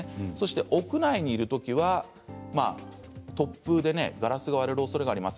屋内にいるときは突風でガラスが壊れるおそれがあります。